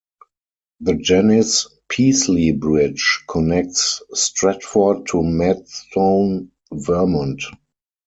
The Janice Peaslee Bridge connects Stratford to Maidstone, Vermont.